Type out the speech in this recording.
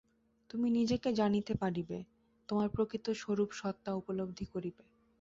তুমি নিজেকে জানিতে পারিবে, তোমার প্রকৃত স্বরূপ সত্তা উপলব্ধি করিবে।